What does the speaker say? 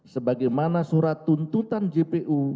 sebagaimana surat tuntutan jpu